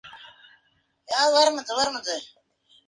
El templo no tiene uso litúrgico regular.